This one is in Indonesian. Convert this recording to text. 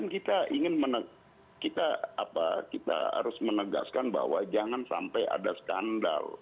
kan kita harus menegaskan bahwa jangan sampai ada skandal